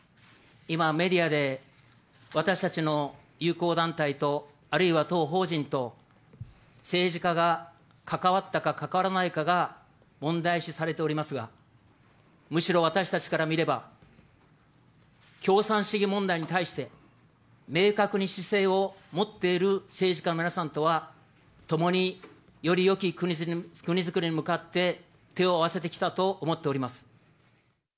今、メディアで、私たちの友好団体と、あるいは当法人と政治家が関わったか、関わらないかが問題視されておりますが、むしろ私たちから見れば、共産主義問題に対して、明確に姿勢を持っている政治家の皆さんとは、共によりよき国づくりに向かって手を合わせてきたと思っております。